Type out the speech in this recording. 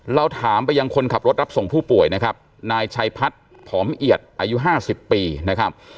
เราถามไปยังคนขับรถรับส่งผู้ป่วยนะครับนายชัยพัฒน์ผอมเอียดอายุ๕๐ปีนะครับ